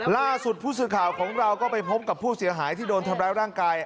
ล่าสุดผู้สื่อข่าวของเราก็ไปพบกับผู้เสียหายที่โดนทำร้ายร่างกาย